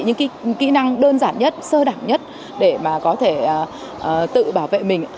những cái kỹ năng đơn giản nhất sơ đẳng nhất để mà có thể tự bảo vệ mình